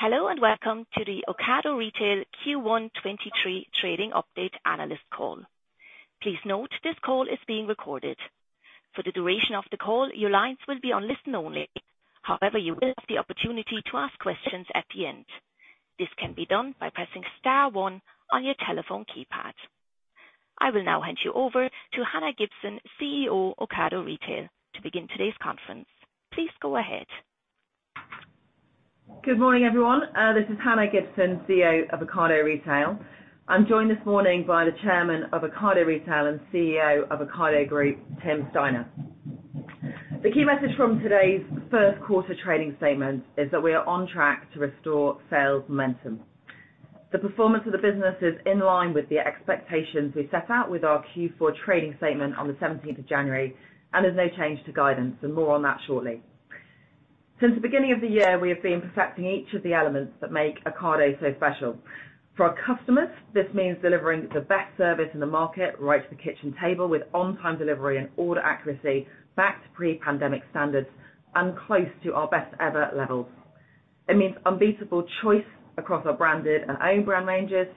Hello, and Welcome to the Ocado Retail Q1 2023 Trading Update Analyst Call. Please note this call is being recorded. For the duration of the call, your lines will be on listen only. However, you will have the opportunity to ask questions at the end. This can be done by pressing star one on your telephone keypad. I will now hand you over to Hannah Gibson, CEO Ocado Retail, to begin today's conference. Please go ahead. Good morning, everyone. This is Hannah Gibson, CEO of Ocado Retail. I'm joined this morning by the chairman of Ocado Retail and CEO of Ocado Group, Tim Steiner. The key message from today's first quarter trading statement is that we are on track to restore sales momentum. The performance of the business is in line with the expectations we set out with our Q4 trading statement on the 17th of January, and there's no change to guidance, and more on that shortly. Since the beginning of the year, we have been perfecting each of the elements that make Ocado so special. For our customers, this means delivering the best service in the market right to the kitchen table with on-time delivery and order accuracy back to pre-pandemic standards and close to our best ever levels. It means unbeatable choice across our branded and own brand ranges,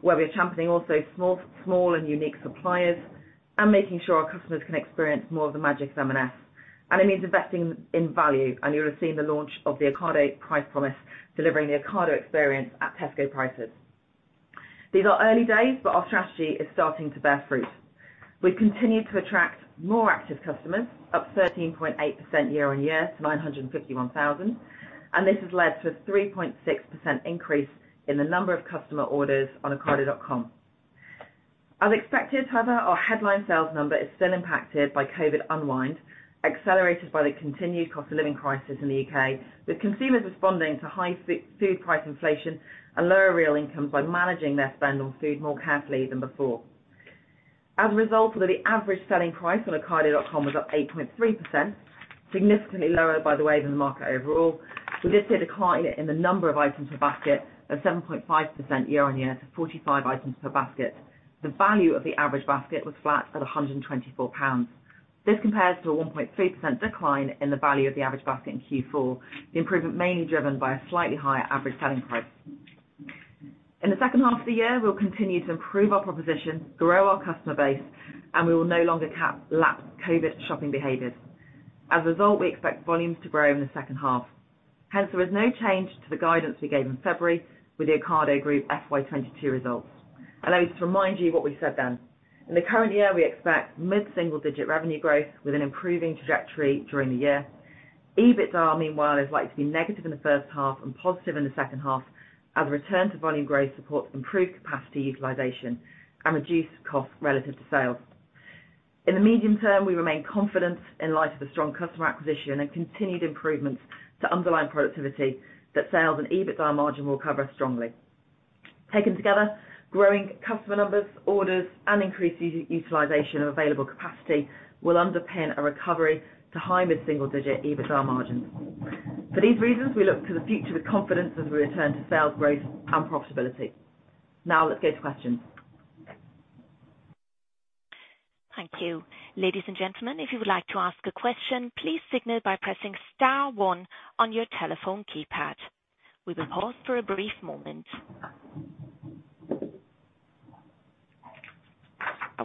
where we're championing also small and unique suppliers and making sure our customers can experience more of the magic of M&S. It means investing in value, and you'll have seen the launch of the Ocado Price Promise, delivering the Ocado experience at Tesco prices. These are early days, our strategy is starting to bear fruit. We've continued to attract more active customers, up 13.8% year-on-year to 951,000, this has led to a 3.6% increase in the number of customer orders on ocado.com. As expected, however, our headline sales number is still impacted by COVID unwind, accelerated by the continued cost of living crisis in the U.K., with consumers responding to high food price inflation and lower real incomes by managing their spend on food more carefully than before. As a result of that, the average selling price on ocado.com was up 8.3%, significantly lower by the way than the market overall. With this, a decline in the number of items per basket of 7.5% year-over-year to 45 items per basket. The value of the average basket was flat at 124 pounds. This compares to a 1.3% decline in the value of the average basket in Q4, the improvement mainly driven by a slightly higher average selling price. In the second half of the year, we'll continue to improve our proposition, grow our customer base, and we will no longer cap lapsed COVID shopping behaviors. As a result, we expect volumes to grow in the second half. Hence, there is no change to the guidance we gave in February with the Ocado Group FY '22 results. Allow me just to remind you what we said then. In the current year, we expect mid-single digit revenue growth with an improving trajectory during the year. EBITDA, meanwhile, is likely to be negative in the first half and positive in the second half as a return to volume growth supports improved capacity utilization and reduced costs relative to sales. In the medium term, we remain confident in light of the strong customer acquisition and continued improvements to underlying productivity that sales and EBITDA margin will cover strongly. Taken together, growing customer numbers, orders, and increased utilization of available capacity will underpin a recovery to high mid-single digit EBITDA margins. For these reasons, we look to the future with confidence as we return to sales growth and profitability. Let's go to questions. Thank you. Ladies and gentlemen, if you would like to ask a question, please signal by pressing star one on your telephone keypad. We will pause for a brief moment.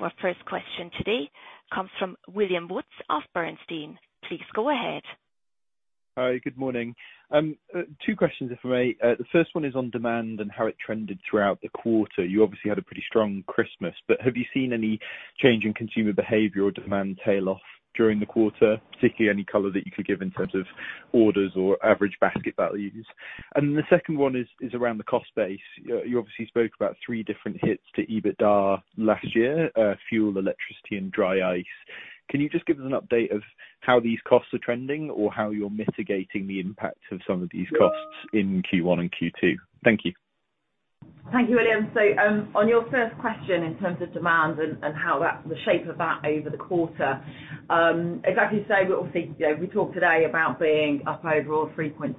Our first question today comes from William Woods of Bernstein. Please go ahead. Hi, good morning. Two questions if I may. The first one is on demand and how it trended throughout the quarter. You obviously had a pretty strong Christmas, but have you seen any change in consumer behavior or demand tail off during the quarter, particularly any color that you could give in terms of orders or average basket values? The second one is around the cost base. You obviously spoke about 3 different hits to EBITDA last year, fuel, electricity, and dry ice. Can you just give us an update of how these costs are trending or how you're mitigating the impact of some of these costs in Q1 and Q2? Thank you. Thank you, William. On your first question in terms of demand and how that's the shape of that over the quarter, exactly the same, but obviously, you know, we talked today about being up overall 3.4%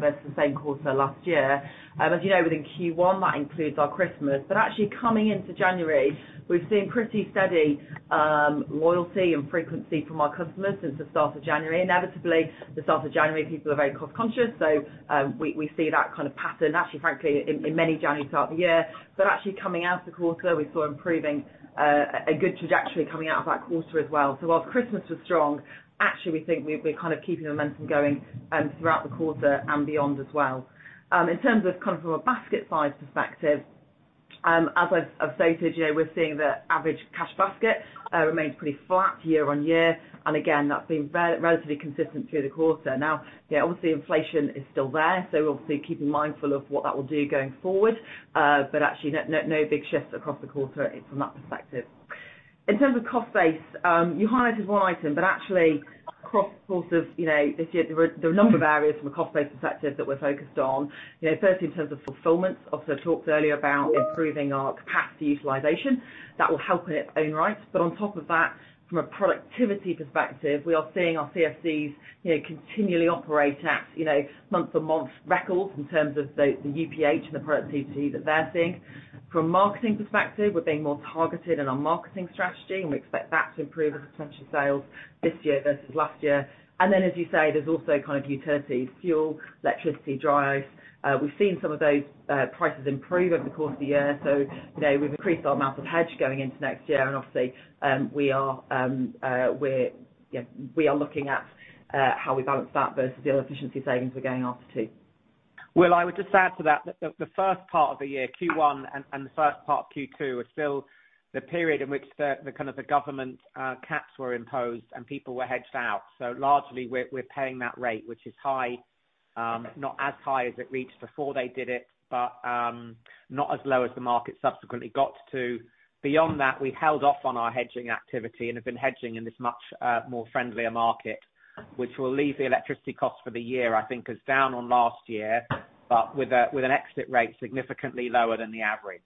versus the same quarter last year. As you know, within Q1, that includes our Christmas. Actually coming into January, we've seen pretty steady loyalty and frequency from our customers since the start of January. Inevitably, the start of January, people are very cost conscious. We see that kind of pattern actually, frankly, in many Januarys throughout the year. Actually coming out of the quarter, we saw improving a good trajectory coming out of that quarter as well. While Christmas was strong, actually we think we're kind of keeping the momentum going throughout the quarter and beyond as well. In terms of kind of from a basket size perspective, as I've stated, you know, we're seeing the average cash basket remains pretty flat year-on-year, and again, that's been relatively consistent through the quarter. You know, obviously inflation is still there, we'll obviously keeping mindful of what that will do going forward, but actually no big shifts across the quarter from that perspective. In terms of cost base, you highlighted one item, but actually across the course of, you know, this year, there are a number of areas from a cost base perspective that we're focused on. You know, firstly in terms of fulfillment, obviously I talked earlier about improving our capacity utilization. That will help in its own right. On top of that, from a productivity perspective, we are seeing our CFCs, you know, continually operate at, you know, month-on-month records in terms of the UPH and the productivity that they're seeing. From a marketing perspective, we're being more targeted in our marketing strategy, and we expect that to improve our potential sales this year versus last year. As you say, there's also kind of utilities, fuel, electricity, dry ice. We've seen some of those prices improve over the course of the year. you know, we've increased our amount of hedge going into next year, and obviously, we are, yeah, we are looking at how we balance that versus the other efficiency savings we're going after too. Will, I would just add to that the first part of the year, Q1 and the first part of Q2, are still the period in which the kind of the government caps were imposed and people were hedged out. Largely we're paying that rate, which is high, not as high as it reached before they did it, but not as low as the market subsequently got to. Beyond that, we held off on our hedging activity and have been hedging in this much more friendlier market, which will leave the electricity cost for the year, I think is down on last year, but with an exit rate significantly lower than the average.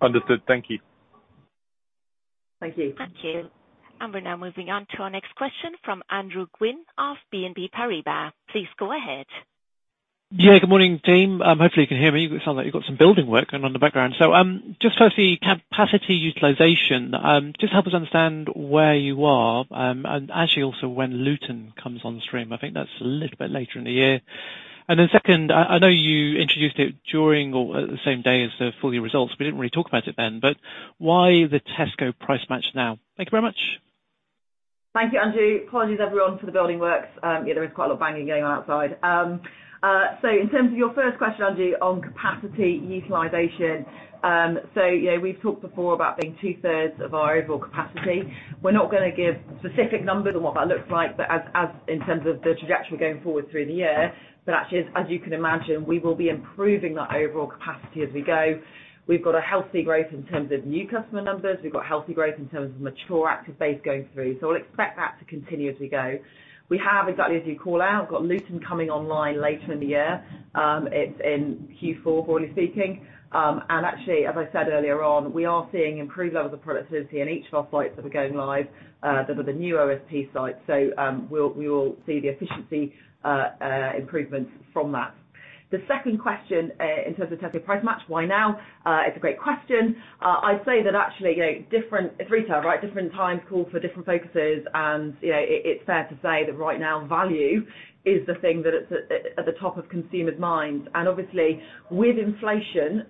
Understood. Thank you. Thank you. Thank you. We're now moving on to our next question from Andrew Gwynn of BNP Paribas. Please go ahead. Yeah, good morning, team. Hopefully you can hear me. You sound like you've got some building work going on in the background. Just firstly, capacity utilization. Just help us understand where you are, and actually also when Luton comes on stream. I think that's a little bit later in the year. Second, I know you introduced it during or the same day as the full year results. We didn't really talk about it then, but why the Tesco price match now? Thank you very much. Thank you, Andrew. Apologies everyone for the building works. Yeah, there is quite a lot of banging going on outside. So in terms of your first question, Andrew, on capacity utilization, so yeah, we've talked before about being two-thirds of our overall capacity. We're not gonna give specific numbers on what that looks like, but as in terms of the trajectory going forward through the year. Actually, as you can imagine, we will be improving that overall capacity as we go. We've got a healthy growth in terms of new customer numbers. We've got healthy growth in terms of mature active base going through. We'll expect that to continue as we go. We have, exactly as you call out, got Luton coming online later in the year. It's in Q4, broadly speaking. Actually, as I said earlier on, we are seeing improved levels of productivity in each of our sites that are going live, that are the new OSP sites. We will see the efficiency improvements from that.[The second question,] in terms of Tesco price match, why now? It's a great question. I'd say that actually, you know, different retail, right? Different times call for different focuses and, you know, it's fair to say that right now value is the thing that it's at the top of consumers' minds. Obviously with inflation,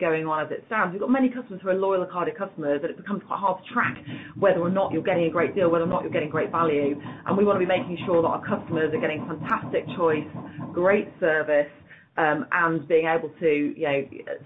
going on as it stands, we've got many customers who are loyal Ocado customers, but it becomes quite hard to track whether or not you're getting a great deal, whether or not you're getting great value. We wanna be making sure that our customers are getting fantastic choice, great service, and being able to, you know,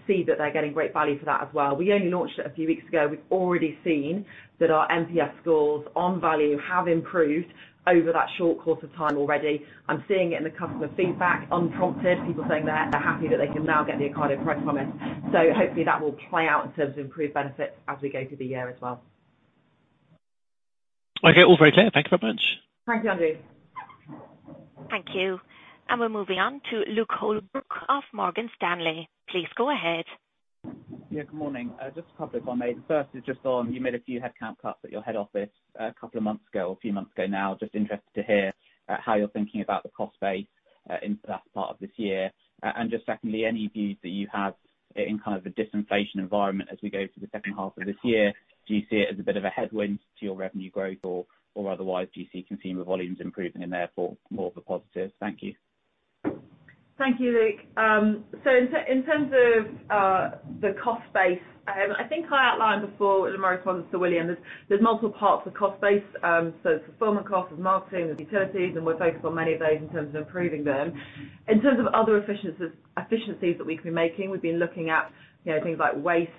see that they're getting great value for that as well. We only launched it a few weeks ago. We've already seen that our NPS scores on value have improved over that short course of time already. I'm seeing it in the customer feedback unprompted, people saying they're happy that they can now get the Ocado Price Promise. Hopefully that will play out in terms of improved benefits as we go through the year as well. Okay. All very clear. Thank you very much. Thanks, Andrew. Thank you. We're moving on to Luke Holbrook of Morgan Stanley. Please go ahead. Good morning. Just a couple if I may. First is just on, you made a few headcount cuts at your head office a couple of months ago or a few months ago now. Just interested to hear how you're thinking about the cost base in that part of this year. Just secondly, any views that you have in kind of the disinflation environment as we go through the second half of this year. Do you see it as a bit of a headwind to your revenue growth or otherwise, do you see consumer volumes improving and therefore more of a positive? Thank you. Thank you, Luke. In terms of the cost base, I think I outlined before in my response to William, there's multiple parts of cost base. There's fulfillment cost, there's marketing, there's utilities, and we're focused on many of those in terms of improving them. In terms of other efficiencies that we've been making, we've been looking at, you know, things like waste,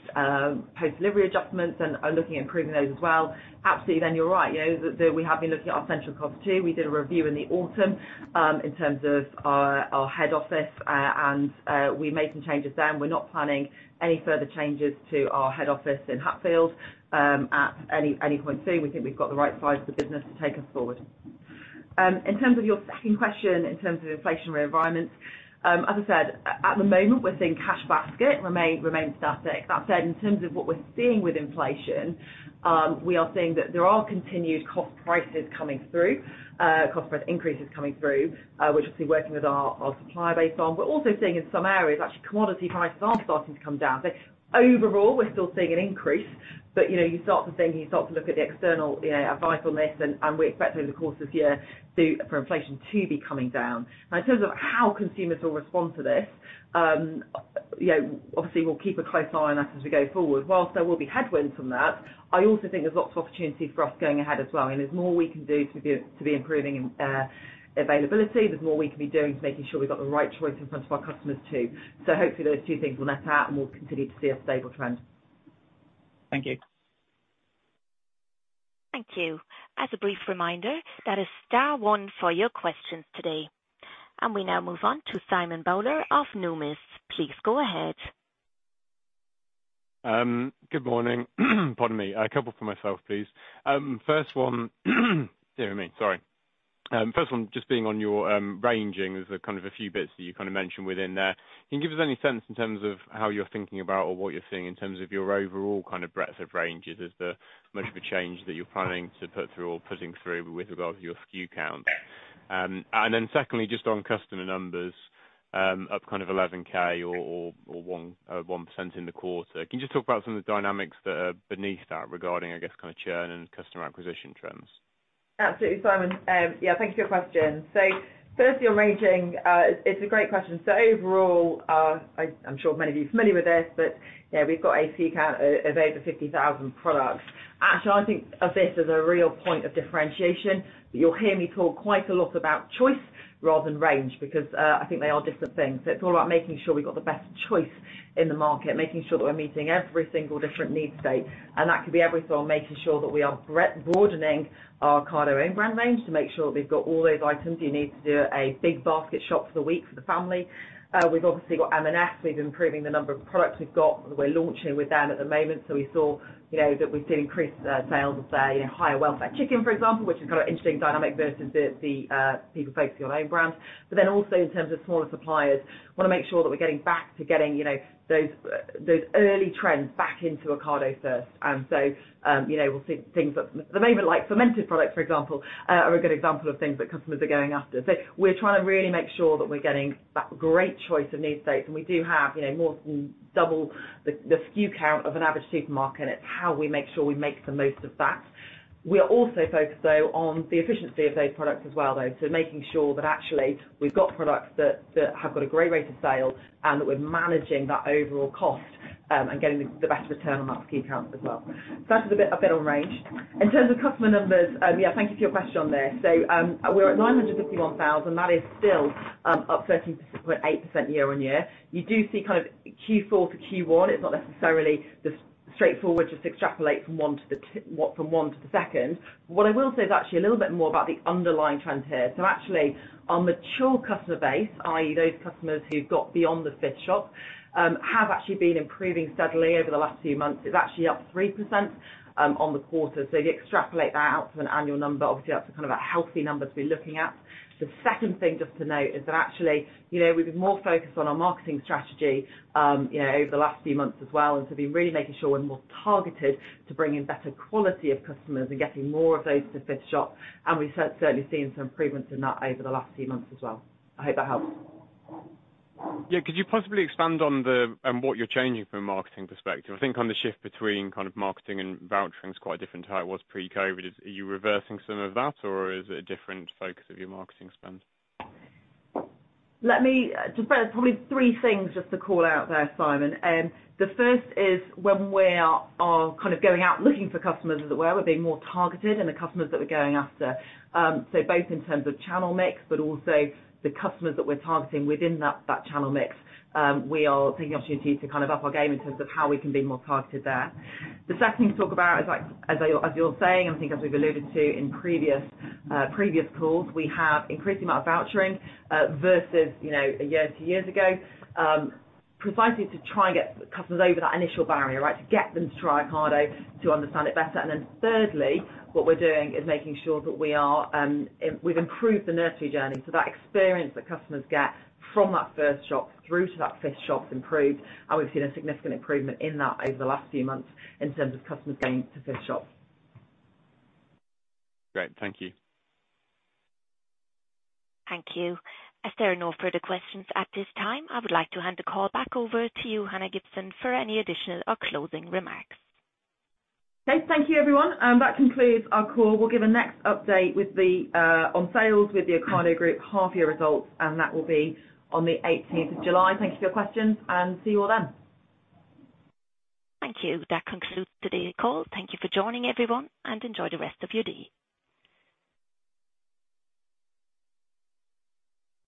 post delivery adjustments and are looking at improving those as well. Absolutely, you're right, you know, that we have been looking at our central cost too. We did a review in the autumn, in terms of our head office, and we made some changes then. We're not planning any further changes to our head office in Hatfield, at any point soon. We think we've got the right size for the business to take us forward. In terms of your second question, in terms of inflationary environments, as I said, at the moment, we're seeing cash basket remain static. That said, in terms of what we're seeing with inflation, we are seeing that there are continued cost prices coming through, cost price increases coming through, which we'll be working with our supplier base on. We're also seeing in some areas actually commodity prices are starting to come down. Overall we're still seeing an increase, but you know, you start to think, you look at the external, you know, advice on this and we expect over the course of this year to, for inflation to be coming down. In terms of how consumers will respond to this, you know, obviously we'll keep a close eye on that as we go forward. While there will be headwinds from that, I also think there's lots of opportunity for us going ahead as well, and there's more we can do to be improving availability. There's more we can be doing to making sure we've got the right choice in front of our customers too. Hopefully those two things will net out, and we'll continue to see a stable trend. Thank you. Thank you. As a brief reminder, that is star one for your questions today. We now move on to Simon Bowler of Numis. Please go ahead. Good morning. Pardon me. A couple for myself, please. First one. Dear me, sorry. First one, just being on your ranging, there's a kind of a few bits that you kind of mentioned within there. Can you give us any sense in terms of how you're thinking about or what you're seeing in terms of your overall kind of breadth of ranges as the much of a change that you're planning to put through or putting through with regard to your SKU count? Secondly, just on customer numbers up kind of 11K or 1% in the quarter. Can you just talk about some of the dynamics that are beneath that regarding, I guess, kind of churn and customer acquisition trends? Absolutely, Simon. Yeah, thank you for your question. Firstly on ranging, it's a great question. Overall, I'm sure many of you are familiar with this, but, you know, we've got a SKU count of over 50,000 products. Actually, I think of this as a real point of differentiation, but you'll hear me talk quite a lot about choice rather than range because, I think they are different things. It's all about making sure we've got the best choice in the market, making sure that we're meeting every single different need state, and that could be everything from making sure that we are broadening our Ocado in-brand range to make sure that we've got all those items you need to do a big basket shop for the week for the family. We've obviously got M&S. We've been improving the number of products we've got, that we're launching with them at the moment. We saw, you know, that we did increase sales of, you know, higher welfare chicken, for example, which is kind of interesting dynamic versus the people focusing on own brands. Also in terms of smaller suppliers, wanna make sure that we're getting back to getting, you know, those early trends back into Ocado first. We'll see things that at the moment, like fermented products, for example, are a good example of things that customers are going after. We're trying to really make sure that we're getting that great choice of need states. We do have, you know, more than double the SKU count of an average supermarket. It's how we make sure we make the most of that. We are also focused, though, on the efficiency of those products as well, though. Making sure that actually we've got products that have got a great rate of sale and that we're managing that overall cost, and getting the best return on that SKU count as well. That is a bit on range. In terms of customer numbers, thank you for your question on this. We're at 951,000. That is still up 13.8% year-on-year. You do see kind of Q4 to Q1, it's not necessarily just straightforward, just extrapolate from one to the second. What I will say is actually a little bit more about the underlying trends here. Actually our mature customer base, i.e. those customers who've got beyond the fifth shop, have actually been improving steadily over the last few months. It's actually up 3%, on the quarter. You extrapolate that out to an annual number, obviously that's kind of a healthy number to be looking at. The second thing just to note is that actually, you know, we've been more focused on our marketing strategy, you know, over the last few months as well. So we're really making sure we're more targeted to bring in better quality of customers and getting more of those to fifth shop. We've certainly seen some improvements in that over the last few months as well. I hope that helps. Yeah. Could you possibly expand on what you're changing from a marketing perspective? I think on the shift between kind of marketing and vouchering is quite different to how it was pre-COVID. Are you reversing some of that, or is it a different focus of your marketing spend? Let me... Just there's probably three things just to call out there, Simon. The first is when we are kind of going out looking for customers, as it were, we're being more targeted in the customers that we're going after. So both in terms of channel mix, but also the customers that we're targeting within that channel mix, we are taking the opportunity to kind of up our game in terms of how we can be more targeted there. The second thing to talk about is, like, as you're saying, and I think as we've alluded to in previous previous calls, we have increased the amount of vouchering versus, you know, a year to years ago, precisely to try and get customers over that initial barrier, right? To get them to try Ocado, to understand it better. Thirdly, what we're doing is making sure that we are, we've improved the nursery journey. That experience that customers get from that first shop through to that fifth shop's improved. We've seen a significant improvement in that over the last few months in terms of customers going to fifth shop. Great. Thank you. Thank you. As there are no further questions at this time, I would like to hand the call back over to you, Hannah Gibson, for any additional or closing remarks. Okay. Thank you, everyone, and that concludes our call. We'll give a next update with the on sales with the Ocado Group half year results, and that will be on the eighteenth of July. Thank you for your questions and see you all then. Thank you. That concludes today's call. Thank you for joining, everyone, and enjoy the rest of your day.